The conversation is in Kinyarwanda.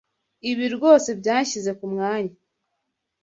Ibi rwose byanshyize kumwanya.